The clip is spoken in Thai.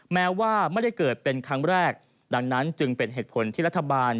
แม้ว่าไม่ได้เกิดเป็นครั้งแรกดังนั้นจึงเป็นเหตุผลที่รัฐบาล